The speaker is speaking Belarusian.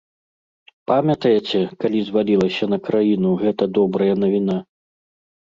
Памятаеце, калі звалілася на краіну гэта добрая навіна?